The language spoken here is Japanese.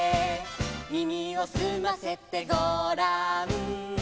「耳をすませてごらん」